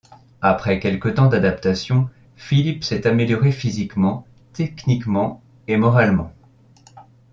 Après quelque temps d’adaptation, Philippe s’est amélioré physiquement, techniquement et moralement.